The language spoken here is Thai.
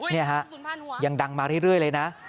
นี่ฮะยังดังมาเรื่อยเลยนะ